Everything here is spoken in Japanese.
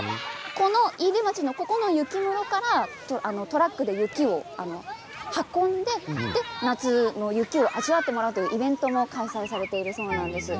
飯豊町の雪室からトラックで雪を運んで夏の雪を味わってもらうイベントも開催されているそうです。